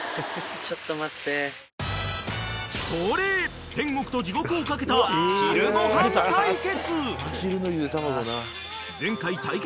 ［恒例天国と地獄をかけた昼ご飯対決］